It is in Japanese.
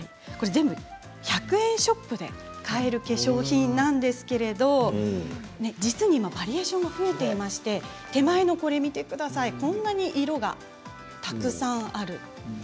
全部１００円ショップで買える化粧品なんですけれど実に今バリエーションが増えていまして手前のこれ、こんなに色がたくさんある。